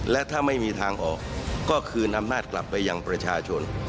และถ้าไม่มีทางออกก็คืนอำนาจกลับไปยังประชาชน